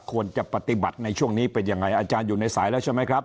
ควรจะปฏิบัติในช่วงนี้เป็นยังไงอาจารย์อยู่ในสายแล้วใช่ไหมครับ